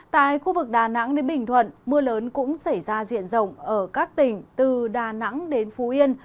tại khu vực đà nẵng đến bình thuận mưa lớn cũng xảy ra diện rộng ở các tỉnh từ đà nẵng đến phú yên